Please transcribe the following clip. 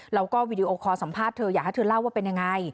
แล้วก็วีดีโอคอลสัมภาษณ์เธออยากให้เธอเล่าว่าเป็นยังไง